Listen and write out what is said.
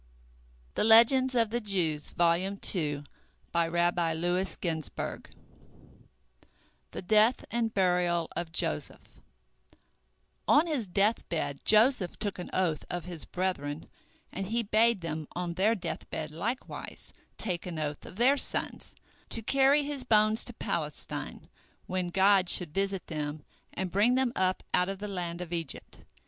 THE DEATH AND BURIAL OF JOSEPH On his death bed Joseph took an oath of his brethren, and he bade them on their death bed likewise take an oath of their sons, to carry his bones to Palestine, when God should visit them and bring them up out of the land of Egypt.